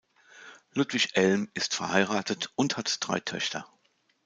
Ludwig Elm ist verheiratet und hat drei Töchter.